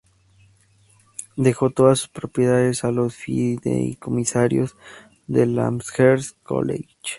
Dejó todas sus propiedades a los fideicomisarios del Amherst College.